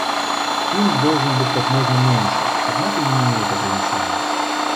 Пинг должен быть как можно меньше, однако не имеет ограничений